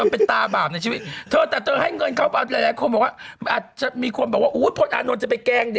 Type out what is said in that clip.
เพราะว่าเมืองทิพย์โควิดระบาด